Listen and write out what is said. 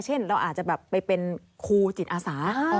เช่นเราอาจจะแบบไปเป็นครูจิตอาสา